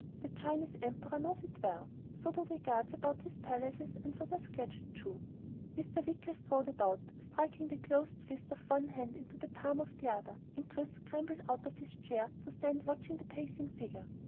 The Chinese Emperor knows it well. So do the guards about his palaces, and so does Claggett Chew." Mr. Wicker strode about, striking the closed fist of one hand into the palm of the other, and Chris scrambled out of his chair to stand watching the pacing figure.